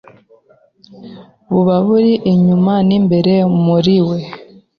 buba buri inyuma n’imbere muri we.